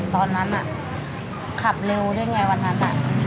ตอนนั้นขับเร็วด้วยไงวันนั้น